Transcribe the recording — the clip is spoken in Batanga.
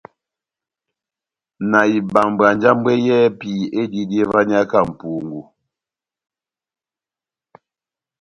Na ibambwa njambwɛ yɛ́hɛ́pi ediyidi evaniyaka mʼpungú.